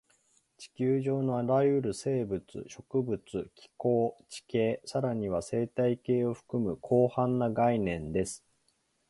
地球上のあらゆる生物、植物、気候、地形、さらには生態系を含む広範な概念です